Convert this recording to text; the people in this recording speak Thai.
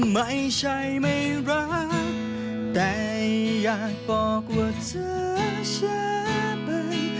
ไม่ใช่ไม่รักแต่อยากบอกว่าเธอช้าไป